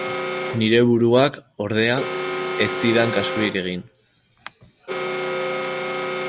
Nire buruak, ordea, ez zidan kasurik egin.